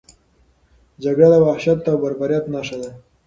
جګړه د وحشت او بربریت نښه ده.